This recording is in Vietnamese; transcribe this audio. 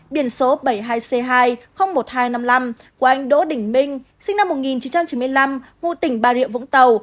biển số bảy mươi hai c hai một nghìn hai trăm năm mươi năm của anh đỗ đình minh sinh năm một nghìn chín trăm chín mươi năm ngụ tỉnh bà rịa vũng tàu